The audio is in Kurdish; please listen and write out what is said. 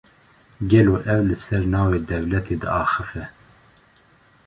Gelo ew, li ser navê dewletê diaxife?